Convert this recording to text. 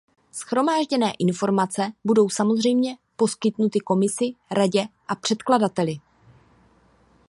Shromážděné informace budou samozřejmě poskytnuty Komisi, Radě a předkladateli.